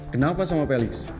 kenapa sama felix